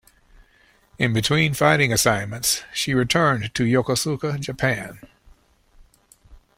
In between fighting assignments, she returned to Yokosuka, Japan.